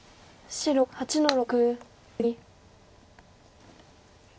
白７の六。